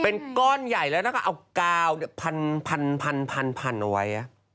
เป็นก้อนใหญ่แล้วแล้วก็เอากาวพันเอาไว้